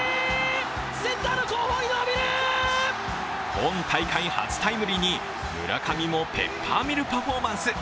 今大会初タイムリーに村上もペッパーミルパフォーマンス。